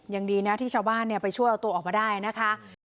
ยังดีนะที่ชาวบ้านไปช่วยเอาตัวออกมาได้นะคะ